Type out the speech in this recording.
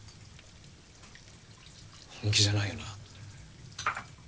本気じゃないよな？